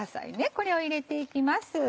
これを入れていきます。